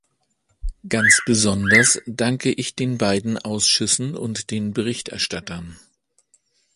Ganz besonders danke ich den beiden Ausschüssen und den Berichterstattern.